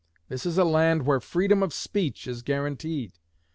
This is a land where freedom of speech is guaranteed.